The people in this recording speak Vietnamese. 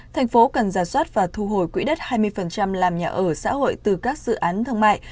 thành phố cần giả soát và thu hồi quỹ đất hai mươi làm nhà ở xã hội từ các dự án thương mại